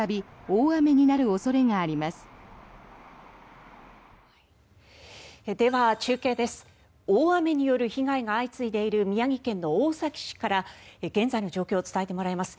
大雨による被害が相次いでいる宮城県の大崎市から現在の状況を伝えてもらいます。